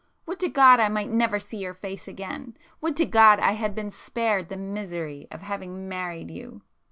—would to God I might never see your face again!—would to God I had been spared the misery of having married you!"